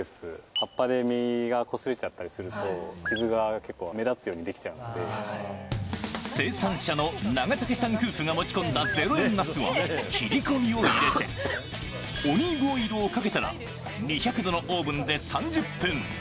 葉っぱで身がこすれちゃったりすると、傷が結構目立つように出来生産者の長竹さん夫婦が持ち込んだ０円ナスは、切り込みを入れて、オリーブオイルをかけたら、２００度のオーブンで３０分。